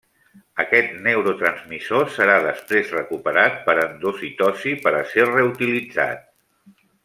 Aquest neurotransmissor serà després recuperat per endocitosi per a ser reutilitzat.